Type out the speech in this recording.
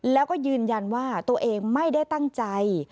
แล้วก็ยืนยันว่าตัวเองไม่ได้ตั้งใจ